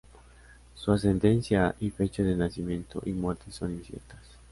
Su ascendencia y fechas de nacimiento y muerte son inciertas.